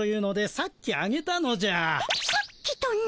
さっきとな？